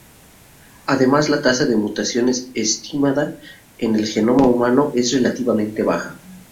Además la tasa de mutaciones estimada en el genoma humano es relativamente baja.